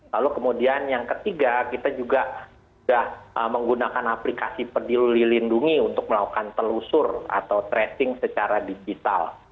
lalu kemudian yang ketiga kita juga sudah menggunakan aplikasi peduli lindungi untuk melakukan telusur atau tracing secara digital